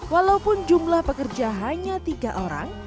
walaupun jumlah pekerja hanya tiga orang